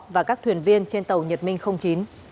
và các thuyền viên trên tàu nhật minh chín